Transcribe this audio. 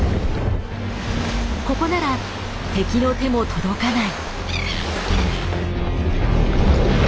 ここなら敵の手も届かない。